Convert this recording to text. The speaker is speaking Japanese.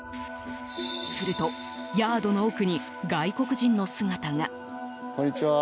するとヤードの奥に外国人の姿が。